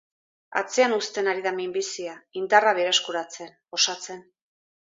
Atzean uzten ari da minbizia, indarra berreskuratzen, osatzen.